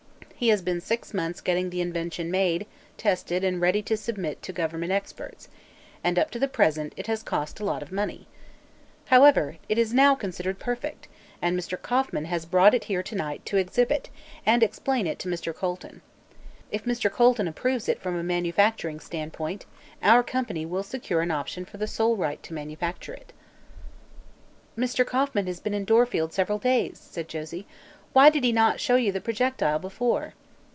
He has been six months getting the invention made, tested and ready to submit to government experts, and up to the present it has cost a lot of money. However, it is now considered perfect and Mr. Kauffman has brought it here to night to exhibit and explain it to Mr. Colton. If Mr. Colton approves it from a manufacturing standpoint, our company will secure an option for the sole right to manufacture it." "Mr. Kauffman has been in Dorfield several days," said Josie. "Why did he not show you the projectile before?"